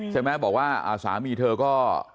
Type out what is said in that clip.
ใช่ไหมบอกว่าสามีเธอก็